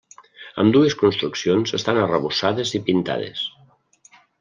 Ambdues construccions estan arrebossades i pintades.